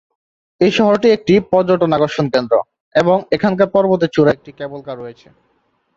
এই শহরটি একটি পর্যটন আকর্ষণ কেন্দ্র, এবং এখানকার পর্বতের চূড়ায় একটি ক্যাবল কার রয়েছে।